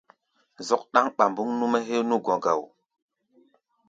Zɔ́k ɗáŋ ɓambuŋ nú-mɛ́ héé nú gɔ̧ gá wó.